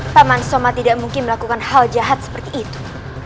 kisoma tidak mungkin melakukan hal jahat seperti itu